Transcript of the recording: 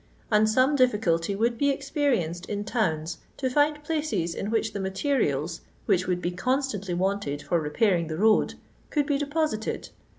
And some difficulty would be experienced in towns to jfind phices in whidi the materiali^ which would be constantly wanted for repairing the road, could be deposited.